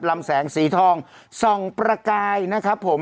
ลำแสงสีทองส่องประกายนะครับผม